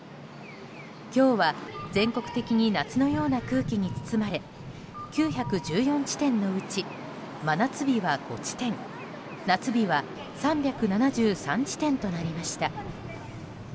今日は全国的に夏のような空気に包まれ９１４地点のうち真夏日は５地点夏日は３７３地点となりました。